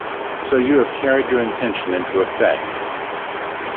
So you have carried your intention into effect.